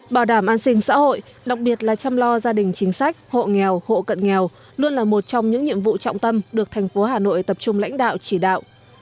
bảo đảm an sinh xã hội đặc biệt là chăm lo gia đình chính sách hộ nghèo hộ cận nghèo luôn là một trong những nhiệm vụ trọng tâm được thành phố hà nội tập trung lãnh đạo chỉ đạo